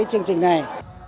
với chương trình này